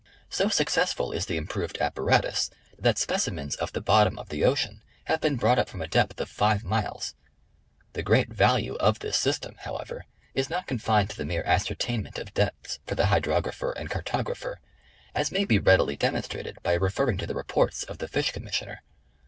So successful is the improved apparatus that specimens of the bottom of the ocean have been brought up from a depth of five miles. The great value of this system, how ever, is not confined to the mere ascertainment of depths for the hydrographer and cartogi apher, as may be readily demonstrated by referring to the reports of the Fish Commissioner.